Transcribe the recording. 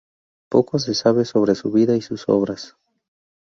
Poco se sabe sobre su vida y sus obras.